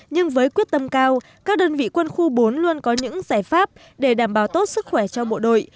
nhưng với quyết tâm cao các đơn vị quân khu bốn luôn có những giải pháp để đảm bảo tốt sức khỏe cho bộ đội